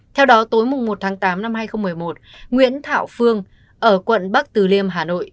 theo đó tối một tháng tám năm hai nghìn một mươi một nguyễn thảo phương ở quận bắc từ liêm hà nội